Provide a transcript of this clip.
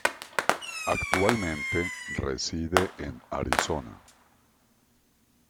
Actualmente reside en Arizona.